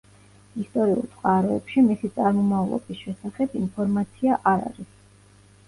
ისტორიულ წყაროებში მისი წარმომავლობის შესახებ ინფორმაცია არ არის.